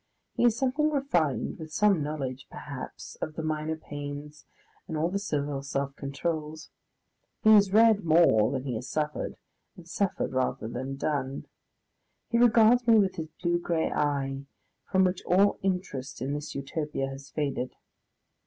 He is something refined, with some knowledge, perhaps, of the minor pains and all the civil self controls; he has read more than he has suffered, and suffered rather than done. He regards me with his blue grey eye, from which all interest in this Utopia has faded.